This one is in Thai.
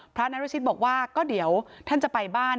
นรชิตบอกว่าก็เดี๋ยวท่านจะไปบ้าน